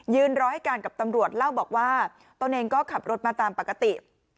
รอให้การกับตำรวจเล่าบอกว่าตนเองก็ขับรถมาตามปกติ